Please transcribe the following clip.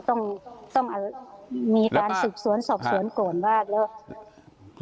ต้องมีการสุดสวนสบสวนก่อนมากแล้ว